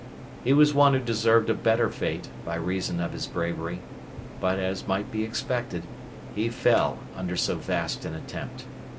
He was one who deserved a better fate, by reason of his bravery; but, as might be expected, he fell under so vast an attempt.